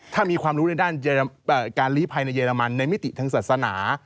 ถ้ามีความรู้ในด้านการลี้ภัยในเรมันในมิติทางศาสนา